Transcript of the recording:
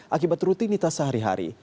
akibat rutinitas sehari hari